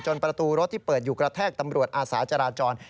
ประตูรถที่เปิดอยู่กระแทกตำรวจอาสาจราจร